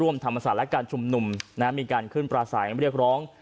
ธรรมศาสตร์และการชุมนุมมีการขึ้นปราศัยเรียกร้อง